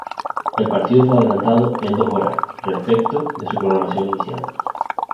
El partido fue adelantado en dos horas respecto de su programación inicial.